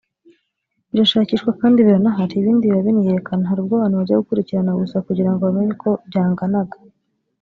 birashakishwa kandi biranahari ibindi biba biniyerekana hari ubwo abantu bajya gukurikirana gusa kugira ngo bamenye uko byanganaga